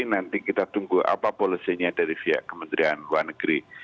nanti kita tunggu apa policy nya dari pihak kementerian luar negeri